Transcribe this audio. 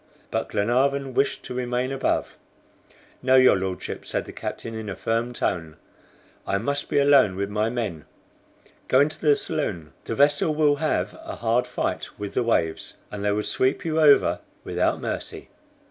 But Glenarvan wished to remain above. "No, your Lordship," said the captain in a firm tone, "I must be alone with my men. Go into the saloon. The vessel will have a hard fight with the waves, and they would sweep you over without mercy."